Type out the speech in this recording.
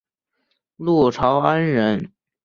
陆朝安人。